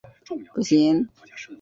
直隶顺天人。